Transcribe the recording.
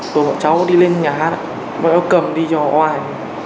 rồi bọn cháu đi lên nhà hát ạ bọn cháu cầm đi cho hoài